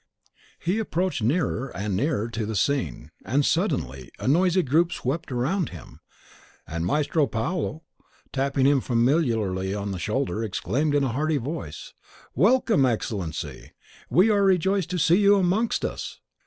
He approached nearer and nearer to the scene, and suddenly a noisy group swept round him; and Maestro Paolo, tapping him familiarly on the shoulder, exclaimed in a hearty voice, "Welcome, Excellency! we are rejoiced to see you amongst us."